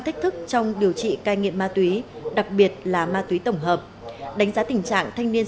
thách thức trong điều trị cai nghiện ma túy đặc biệt là ma túy tổng hợp đánh giá tình trạng thanh niên